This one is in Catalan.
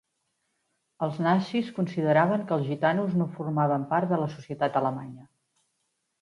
Els nazis consideraven que els gitanos no formaven part de la societat alemanya.